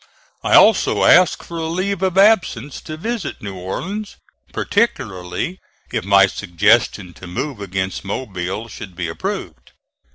I also asked for a leave of absence to visit New Orleans, particularly if my suggestion to move against Mobile should be approved.